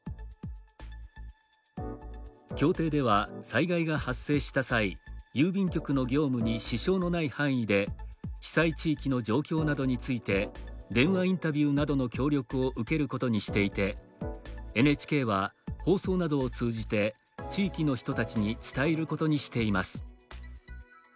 協定では災害が発生した際郵便局の業務に支障のない範囲で被災地域の状況などについて電話インタビューなどの協力を受けることにしていてＮＨＫは放送などを通じて地域の人たちに伝えることにしています。